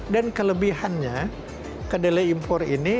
dan kelebihannya kedelai impor ini